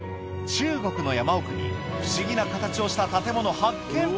中国の山奥に不思議な形をした建物発見